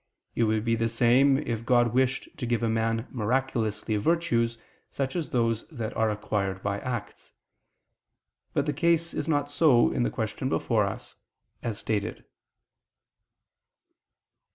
It would be the same if God wished to give a man miraculously virtues, such as those that are acquired by acts. But the case is not so in the question before us, as stated.